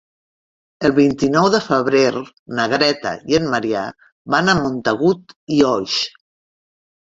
El vint-i-nou de febrer na Greta i en Maria van a Montagut i Oix.